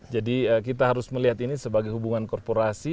jadi kita harus melihat ini sebagai hubungan korporasi